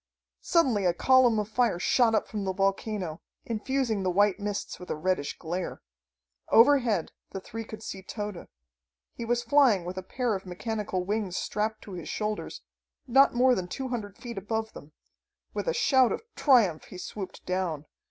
Suddenly a column of fire shot up from the volcano, infusing the white mists with a reddish glare. Overhead the three could see Tode. He was flying with a pair of mechanical wings strapped to his shoulders, not more than two hundred feet above them. With a shout of triumph he swooped down.